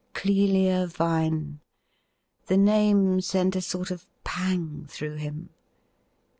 Clelia Vine! The name sent a sort of pang through him.